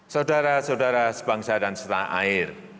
saudara saudara sebangsa dan setan lain